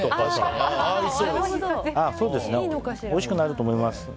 おいしくなると思います。